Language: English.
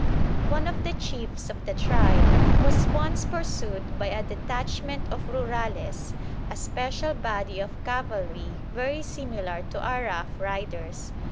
One of the chiefs of the tribe was once pursued by a detachment of Rurales, a special body of cavalry very similar to our Rough Riders.